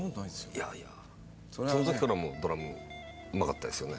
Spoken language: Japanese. いやいやその時からドラムうまかったですよね。